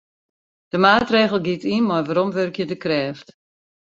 De maatregel giet yn mei weromwurkjende krêft.